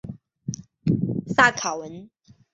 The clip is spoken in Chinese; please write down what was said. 萨卡文。